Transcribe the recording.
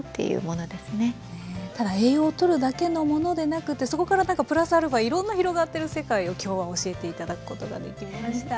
ただ栄養をとるだけのものでなくてそこからプラスアルファいろんな広がってる世界を今日は教えて頂くことができました。